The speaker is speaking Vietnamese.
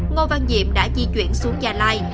ngô văn diệm đã di chuyển xuống gia lai